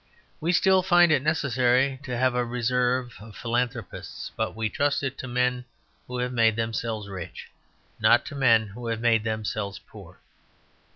We still find it necessary to have a reserve of philanthropists, but we trust it to men who have made themselves rich, not to men who have made themselves poor.